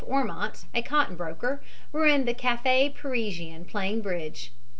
Ormont, a cotton broker, were in the Cafe Parisien playing bridge.